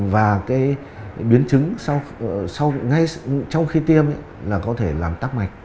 và cái biến chứng trong khi tiêm là có thể làm tắc mạch